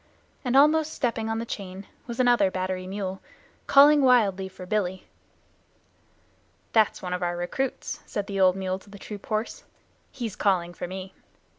And almost stepping on the chain was another battery mule, calling wildly for "Billy." "That's one of our recruits," said the old mule to the troop horse. "He's calling for me.